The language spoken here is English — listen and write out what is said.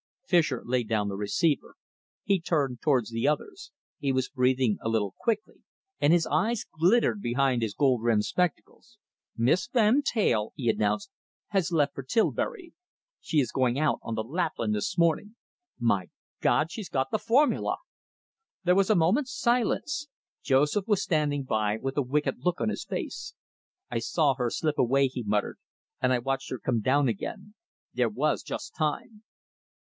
Fischer laid down the receiver. He turned towards the others. He was breathing a little quickly, and his eyes glittered behind his gold rimmed spectacles. "Miss Van Teyl," he announced, "has left for Tilbury. She is going out on the Lapland this morning. My God, she's got the formula!" There was a moment's silence. Joseph was standing by with a wicked look on his face. "I saw her slip away," he muttered, "and I watched her come down again. There was just time."